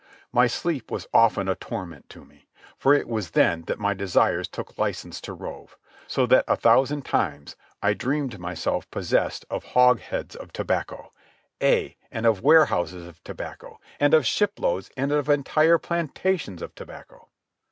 My sleep was often a torment to me, for it was then that my desires took licence to rove, so that a thousand times I dreamed myself possessed of hogsheads of tobacco—ay, and of warehouses of tobacco, and of shiploads and of entire plantations of tobacco.